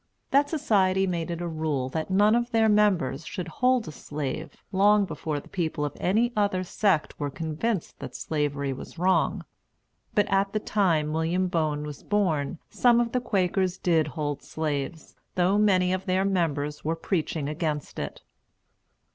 That Society made it a rule that none of their members should hold a slave, long before the people of any other sect were convinced that slavery was wrong. But at the time William Boen was born some of the Quakers did hold slaves, though many of their members were preaching against it.